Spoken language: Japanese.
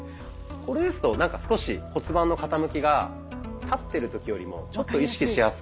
これですとなんか少し骨盤の傾きが立ってる時よりもちょっと意識しやすく。